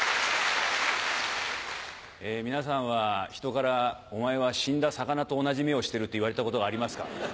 え皆さんは人から「お前は死んだ魚と同じ目をしてる」って言われたことがありますか？